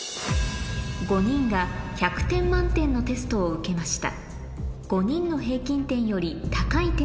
５人が１００点満点のテストを受けました